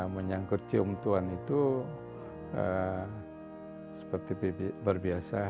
menyangkut cium tuan itu seperti berbiasa